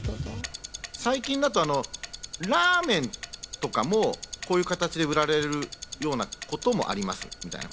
最近だとラーメンとかもこういう形で売られるようなこともあります。